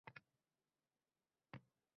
Qo‘ying, ovsinjon, – onam ma’yus jilmaydi.